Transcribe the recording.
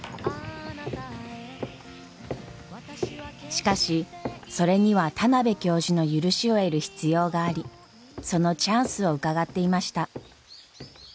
しかしそれには田邊教授の許しを得る必要がありそのチャンスをうかがっていました。